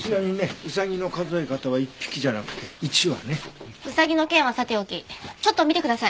ウサギの件はさておきちょっと見てください。